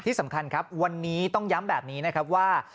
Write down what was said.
ที่สำคัญครับวันนี้ต้องย้ำแบบนี้นะครับว่า